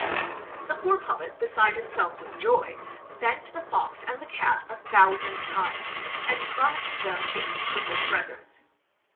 The poor puppet, beside himself with joy, thanked the Fox and the Cat a thousand times, and promised them a beautiful present.